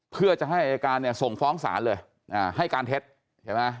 เพื่อจะให้อายการส่งฟ้องศาลเลยให้การเท็จ